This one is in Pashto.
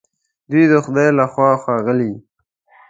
دوی د خدای له خوا ښاغلي